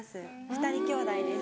２人きょうだいです。